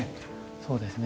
そうですね。